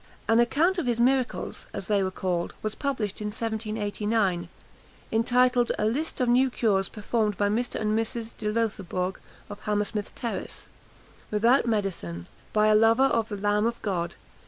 An account of his miracles, as they were called, was published in 1789, entitled _A List of New Cures performed by Mr. and Mrs. de Loutherbourg, of Hammersmith Terrace, without Medicine; by a Lover of the Lamb of God.